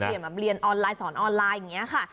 แบบเรียนออนไลน์สอนออนไลน์อย่างนี้ค่ะ